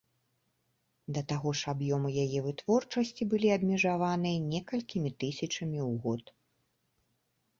Да таго ж аб'ёмы яе вытворчасці былі абмежаваныя некалькімі тысячамі у год.